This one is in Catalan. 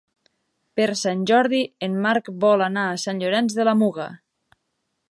Per Sant Jordi en Marc vol anar a Sant Llorenç de la Muga.